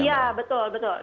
iya betul betul